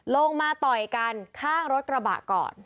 ลงมาต่อยกันข้างรถกระบะก่อน